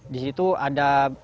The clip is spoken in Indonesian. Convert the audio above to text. di situ ada